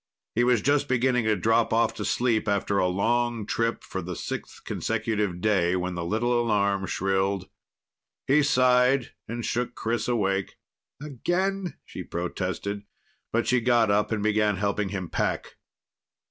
He was just beginning to drop off to sleep after a long trip for the sixth consecutive day when the little alarm shrilled. He sighed and shook Chris awake. "Again?" she protested. But she got up and began helping him pack.